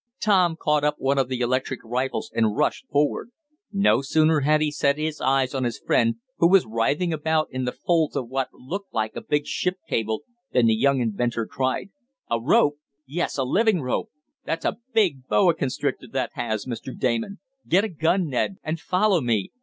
Tom caught up one of the electric rifles and rushed forward. No sooner had he set eyes on his friend, who was writhing about in the folds of what looked like a big ship cable, then the young inventor cried: "A rope! Yes, a living rope! That's a big boa constrictor that has Mr. Damon! Get a gun, Ned, and follow me!